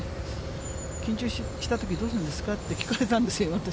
緊張したとき、どうするんですか？って聞かれたんですよ、私。